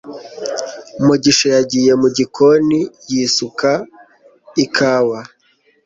mugisha yagiye mu gikoni yisuka ikawa